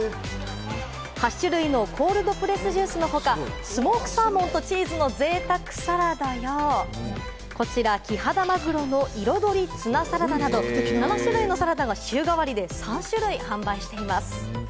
８種類のコールドプレスジュースのほか、スモークサーモンとチーズの贅沢サラダやこちらキハダマグロの彩りツナサラダなど、７種類のサラダが週替わりで３種類、販売しています。